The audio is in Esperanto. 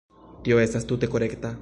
Tio estas tute korekta.